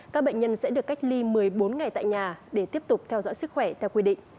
các bệnh nhân sẽ được cách ly một mươi bốn ngày tại nhà để tiếp tục theo dõi sức khỏe theo quy định